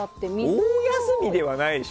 大休みじゃないでしょ？